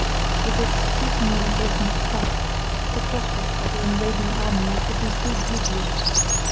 With its sea communications cut, the prospects of the invading army would be too dubious.